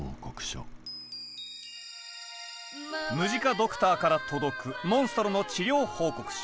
ムジカ・ドクターから届くモンストロの治療報告書。